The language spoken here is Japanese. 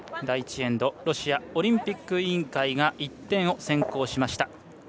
第１エンドロシアオリンピック委員会が１点を先行しました。